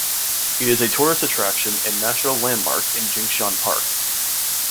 It is a tourist attraction and national landmark in Jingshan Park.